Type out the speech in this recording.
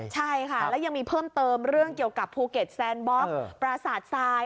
ใช่ค่ะแล้วยังมีเพิ่มเติมเรื่องเกี่ยวกับภูเก็ตแซนบล็อกปราสาททราย